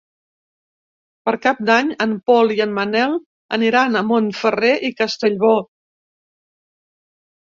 Per Cap d'Any en Pol i en Manel aniran a Montferrer i Castellbò.